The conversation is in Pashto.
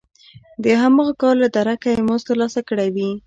د هماغه کار له درکه یې مزد ترلاسه کړی وي